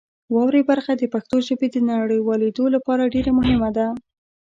واورئ برخه د پښتو ژبې د نړیوالېدو لپاره ډېر مهمه ده.